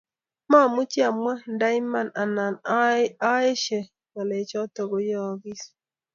Mamuchi amwa nda Iman anan aeshe ngalechoto kiyoyigiis